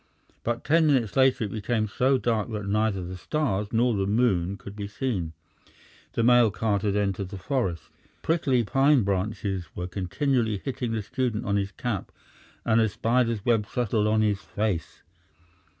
But ten minutes later it became so dark that neither the stars nor the moon could be seen. The mail cart had entered the forest. Prickly pine branches were continually hitting the student on his cap and a spider's web settled on his face.